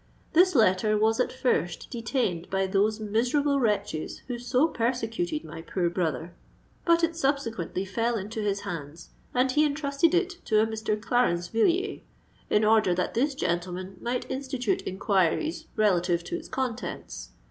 This letter was at first detained by those miserable wretches who so persecuted my poor brother: but it subsequently fell into his hands; and he entrusted it to a Mr. Clarence Villiers, in order that this gentleman might institute inquiries relative to its contents.